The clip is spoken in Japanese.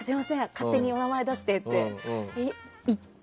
勝手にお名前出してって行って。